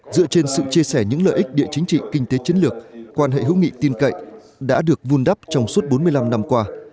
dựa trên sự chia sẻ những lợi ích địa chính trị kinh tế chiến lược quan hệ hữu nghị tin cậy đã được vun đắp trong suốt bốn mươi năm năm qua